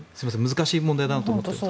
難しい問題だなと思って。